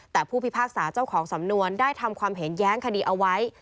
แต่ผู้พิพากษาเจ้าของสำนวนได้ทำความเห็นแย้งคดีเอาไว้